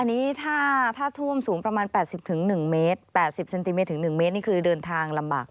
อันนี้ถ้ท่าถุ้มสูงประมาณแปดสิบถึงหนึ่งเมตรแปดสิบเซนติเมตรถึงหนึ่งเมตรนี่คือเดินทางลำบาก